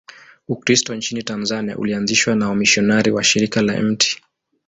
Ukristo nchini Tanzania ulianzishwa na wamisionari wa Shirika la Mt.